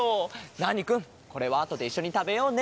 ナーニくんこれはあとでいっしょにたべようね。